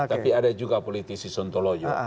tapi ada juga politisi sontoloyo